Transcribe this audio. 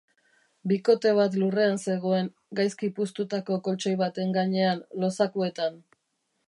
Bikote bat lurrean zegoen, gaizki puztutako koltxoi baten gainean, lozakuetan.